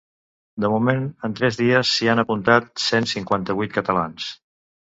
De moment, en tres dies s’hi han apuntat cent cinquanta-vuit catalans.